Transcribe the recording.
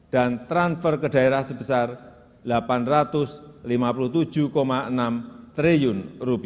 dan transfer ke daerah sebesar rp delapan ratus lima puluh tujuh sembilan triliun